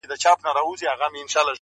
هغه چي ته یې د غیرت له افسانو ستړی سوې٫